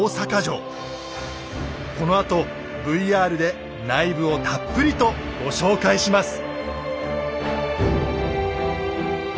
このあとＶＲで内部をたっぷりとご紹介します。